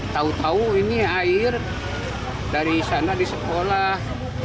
tahu tahu ini air dari sana di sekolah